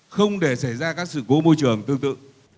không để xảy ra các sự cố môi trường tương tự